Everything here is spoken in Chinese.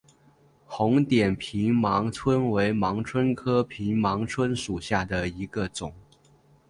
红点平盲蝽为盲蝽科平盲蝽属下的一个种。